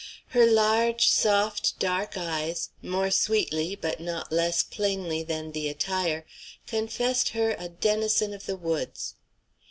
Her large, soft, dark eyes, more sweetly but not less plainly than the attire, confessed her a denizen of the woods.